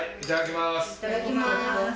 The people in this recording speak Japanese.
いただきます。